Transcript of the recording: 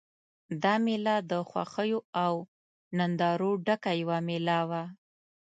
دا مېله د خوښیو او نندارو ډکه یوه مېله وه.